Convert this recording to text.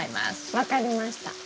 分かりました。